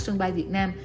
sân bay việt nam